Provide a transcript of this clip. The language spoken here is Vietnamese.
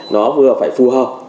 nó vừa phải phù hợp